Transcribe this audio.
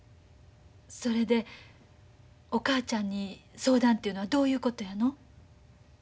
それでお母ちゃんに相談というのはどういうことやの？